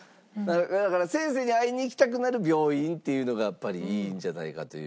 だから先生に会いに行きたくなる病院っていうのがやっぱりいいんじゃないかという。